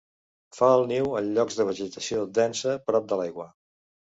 Fa el niu en llocs de vegetació densa prop de l'aigua.